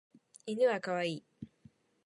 犬はかわいい